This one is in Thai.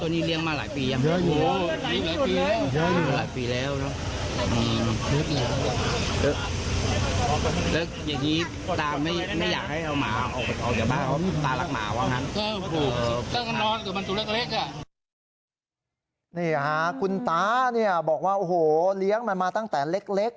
นี่ค่ะคุณตาเนี่ยบอกว่าโอ้โหเลี้ยงมันมาตั้งแต่เล็ก